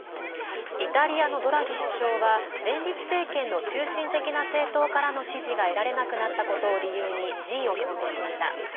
イタリアのドラギ首相は連立政権の中心的な政党からの支持が得られなくなったことを理由に辞意を表明しました。